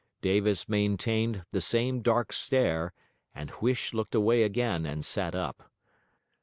Davis maintained the same dark stare, and Huish looked away again and sat up.